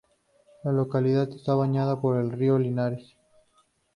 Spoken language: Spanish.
La localidad está bañada por el Río Linares.